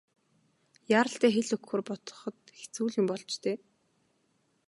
Яаралтай хэл өгөхөөр бодоход хэцүү л юм болж дээ.